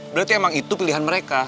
berarti emang itu pilihan mereka